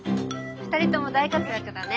２人とも大活躍だね。